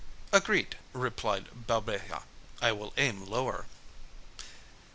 "Agreed," replied Balbeja; "I will aim lower."